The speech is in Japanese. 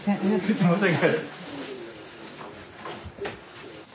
すいません